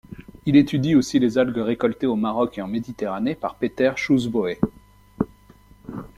Il étudie aussi les algues récoltées au Maroc et en Méditerranée par Peter Schousboe.